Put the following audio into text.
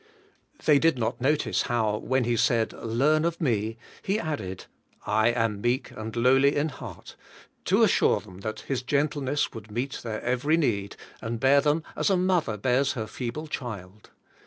They did not notice how, when He said, 'Learn of me,' He added, 'I am meek and lowly in heart,' to assure them that His gentleness would meet their every need, and bear them as a mother bears her feeble child.